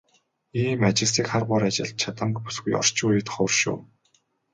Ийм ажилсаг, хар бор ажилд чаданги бүсгүй орчин үед ховор шүү.